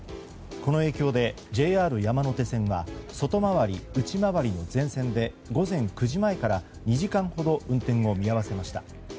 この影響で、ＪＲ山手線は外回り・内回りの全線で午前９時前から２時間ほど運転を見合わせました。